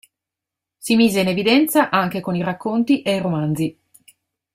Si mise in evidenza anche con i racconti e i romanzi.